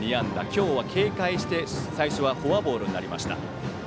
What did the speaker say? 今日は警戒して、最初はフォアボールになりました。